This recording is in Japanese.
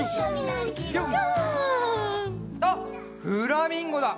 あっフラミンゴだ！